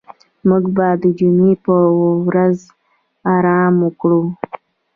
موږ به د جمعې په ورځ آرام وکړو.